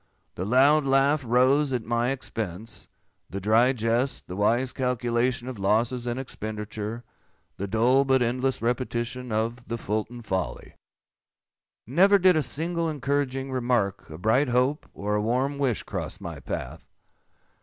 The loud laugh rose at my expense; the dry jest, the wise calculation of losses and expenditure; the dull but endless repetition of "the Fulton folly." Never did a single encouraging remark, a bright hope, or a warm wish, cross my path.